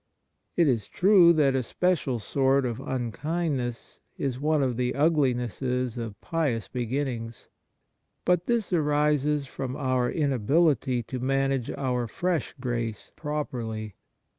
It is true that a special sort of unkindness is one of the uglinesses of pious beginnings. But this arises from our inability to manage our fresh grace properly.